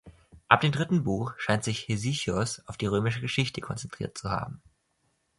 Ab dem dritten Buch scheint sich Hesychios auf die römische Geschichte konzentriert zu haben.